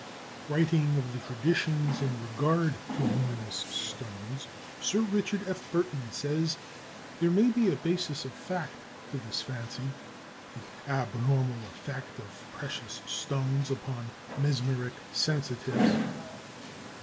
Writing of the traditions in regard to luminous stones, Sir Richard F. Burton says, "There may be a basis of fact to this fancy, the abnormal effect of precious stones upon mesmeric sensitives."